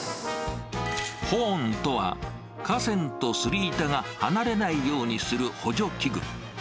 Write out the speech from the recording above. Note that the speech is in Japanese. ホーンとは、架線と擦り板が離れないようにする補助器具。